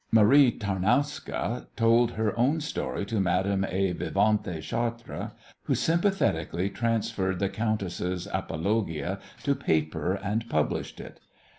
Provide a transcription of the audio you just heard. Marie Tarnowska told her own story to Madame A. Vivanti Chartres, who sympathetically transferred the countess's apologia to paper and published it.